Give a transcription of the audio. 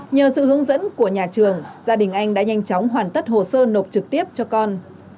nhờ sự hướng dẫn của nhà trường gia đình anh đã nhanh chóng hoàn tất hồ sơ nộp trực tiếp cho con